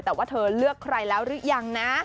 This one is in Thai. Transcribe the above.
แต่ว่าเธอเลือกใครแล้วหรือยังนะ